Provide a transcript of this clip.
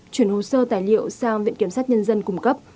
chuyển hồ sơ tài liệu sang viện kiểm sát nhân dân cung cấp